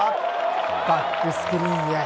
バックスクリーンへ。